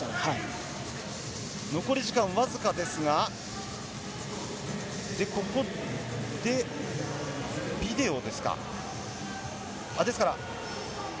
残り時間わずかですが、ここでビデオですか？